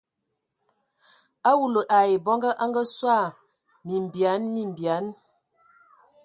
Awulu ai bɔngɔ anga sɔ mimbean mimbean.